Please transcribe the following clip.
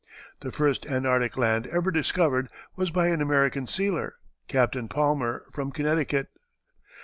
The first Antarctic land ever discovered was by an American sealer, Captain Palmer, from Connecticut.